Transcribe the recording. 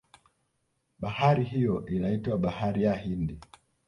bahari hiyo inaitwa bahari ya hindi